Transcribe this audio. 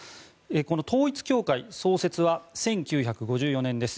この統一教会創設は１９５４年です。